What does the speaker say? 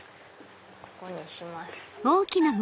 ここにします。